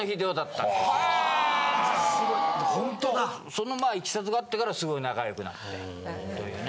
そのいきさつがあってからすごい仲良くなってというね。